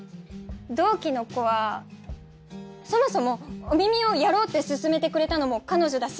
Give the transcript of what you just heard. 同期の子はそもそも「お耳」をやろうって勧めてくれたのも彼女だし。